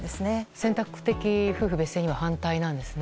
選択的夫婦別姓には反対なんですね。